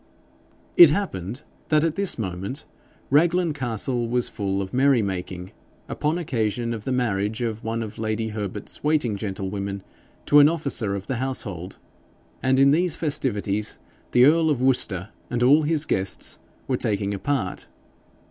It happened that at this moment Raglan Castle was full of merry making upon occasion of the marriage of one of lady Herbert's waiting gentlewomen to an officer of the household; and in these festivities the earl of Worcester and all his guests were taking a part.